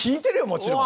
もちろん。